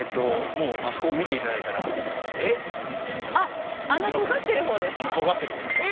もうあそこ見ていただいたらえっあっあの尖ってる方ですか？